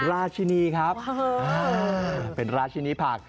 ราชินีครับเป็นราชินีผัก